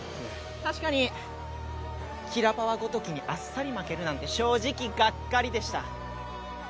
確かにキラパワごときにあっさり負けるなんて正直がっかりでした。